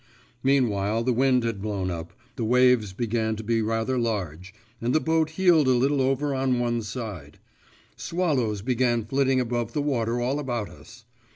Meanwhile the wind had blown up, the waves began to be rather large, and the boat heeled a little over on one side; swallows began flitting above the water all about us.